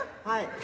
はい！